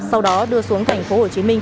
sau đó đưa xuống thành phố hồ chí minh